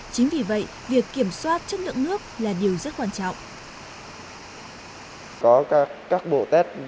chính vì vậy việc kiểm soát chất lượng nước là điều nhất